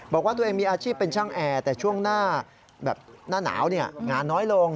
บอกว่าตัวเองมีอาชีพเป็นช่างแอร์แต่ช่วงหน้าแบบหน้าหนาวงานน้อยลง